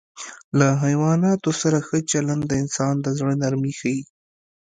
له حیواناتو سره ښه چلند د انسان د زړه نرمي ښيي.